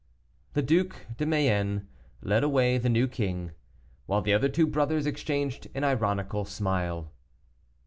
The Duc de Mayenne led away the new king, while the other two brothers exchanged an ironical smile.